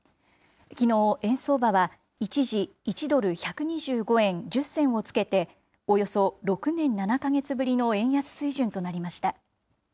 きのう、円相場は一時、１ドル１２５円１０銭をつけて、およそ６年７か月ぶりの円安水準となりました。